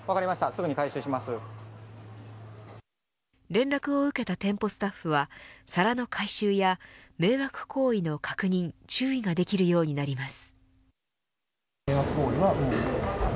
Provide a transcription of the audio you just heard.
連絡を受けた店舗スタッフは皿の回収や迷惑行為の確認、注意ができるようになります。